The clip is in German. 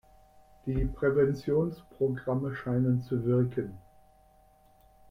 Die Präventionsprogramme scheinen zu wirken.